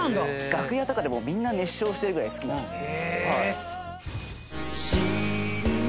楽屋とかでもうみんな熱唱してるぐらい好きなんですよ。